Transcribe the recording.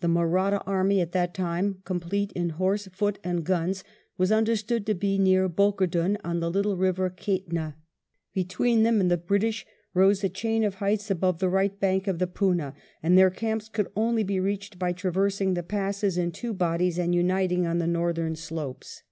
The Mahratta army, at that time complete in horse, foot, and guns, was understood to be near Bokerdun on the little river Kaitna, Between them and the British rose a chain of heights above the right bank of the Pooma, and their camps could only be reached by traversing the passes in two bodies and uniting on the northern slopes.